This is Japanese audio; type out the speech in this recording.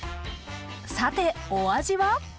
さてお味は？